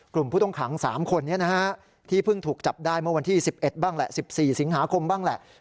กลุ่มผู้ต้องขัง๓คนนี้นะฮะ